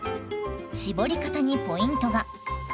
搾り方にポイントが！